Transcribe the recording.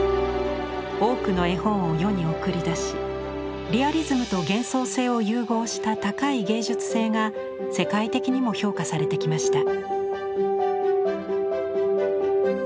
多くの絵本を世に送り出しリアリズムと幻想性を融合した高い芸術性が世界的にも評価されてきました。